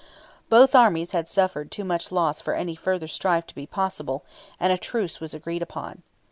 ] Both armies had suffered too much loss for any further strife to be possible, and a truce was agreed upon.